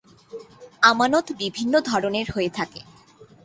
আমানত বিভিন্ন ধরনের হয়ে থাকে।